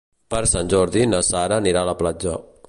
Per Sant Jordi na Sara anirà a la platja.